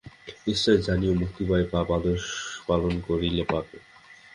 নিশ্চয় জানিও মুক্তিয়ার, পাপ আদেশ পালন করিলে পাপ।